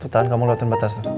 tahan kamu lewat batas tuh